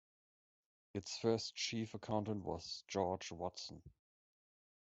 Its first chief accountant was George Watson.